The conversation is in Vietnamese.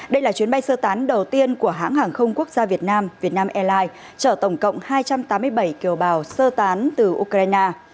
đây là chuyến bay sơ tán đầu tiên của hãng hàng không quốc gia việt nam vietnam airlines chở tổng cộng hai trăm tám mươi bảy kiều bào sơ tán từ ukraine